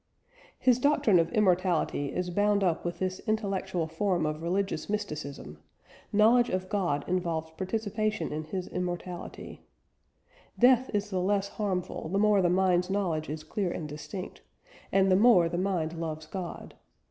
His doctrine of immortality is bound up with this intellectual form of religious mysticism knowledge of God involves participation in His immortality: "Death is the less harmful the more the mind's knowledge is clear and distinct, and the more the mind loves God....